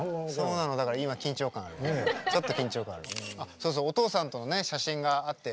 そうそうおとうさんとのね写真があって。